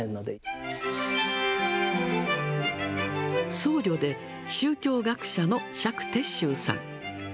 僧侶で宗教学者の釈徹宗さん。